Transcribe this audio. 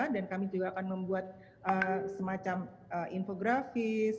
dan kami juga akan membuat semacam infografis